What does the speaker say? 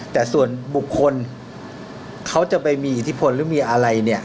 แต่ส่วนบุคคลเขาจะไปมีอิทธิพลหรือมีอะไรเนี่ย